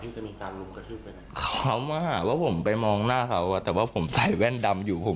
ที่จะมีความว่าผมไปมองหน้าเขาแต่ว่าผมใส่แว่นดำอยู่ผม